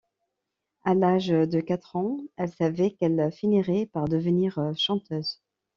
À l'âge de quatre ans, elle savait qu'elle finirait par devenir chanteuse.